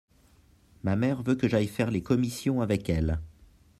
ma mère veut que j'aille faire les commissions avec elle.